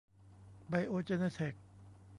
ไบโอเจเนเทค